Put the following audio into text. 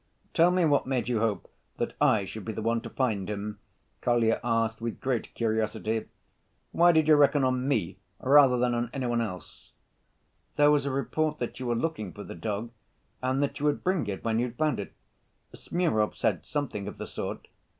"Tell me, what made you hope that I should be the one to find him?" Kolya asked, with great curiosity. "Why did you reckon on me rather than any one else?" "There was a report that you were looking for the dog, and that you would bring it when you'd found it. Smurov said something of the sort.